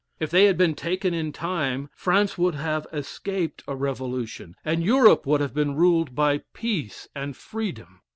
If they had been taken in time, France would have escaped a revolution, and Europe would have been ruled by peace and freedom.